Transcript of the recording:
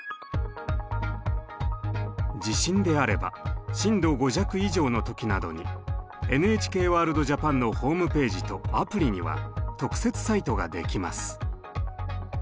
地震であれば震度５弱以上の時などに「ＮＨＫワールドＪＡＰＡＮ」のホームページとアプリには特設サイトができます。